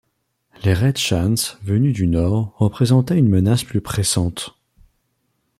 Les raids shans venus du nord représentaient une menace plus pressante.